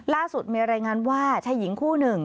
ล่าสุดมีรายงานว่าชายหญิงคู่หนึ่ง